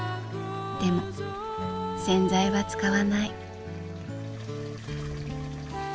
でも洗剤は使わない。